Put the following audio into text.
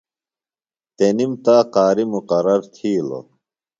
تنِم تا قاری مُقرر تِھیلوۡ۔